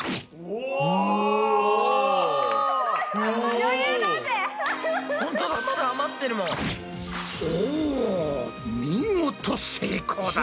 お見事成功だ！